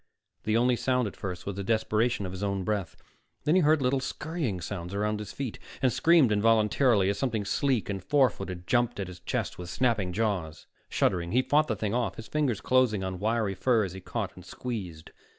The only sound at first was the desperation of his own breath; then he heard little scurrying sounds around his feet, and screamed involuntarily as something sleek and four footed jumped at his chest with snapping jaws. Shuddering, he fought the thing off, his fingers closing on wiry fur as he caught and squeezed.